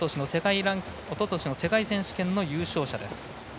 おととしの世界選手権の優勝者。